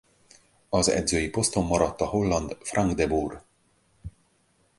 Az edzői poszton maradt a holland Frank de Boer.